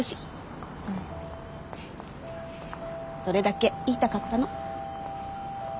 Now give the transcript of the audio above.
それだけ言いたかったの。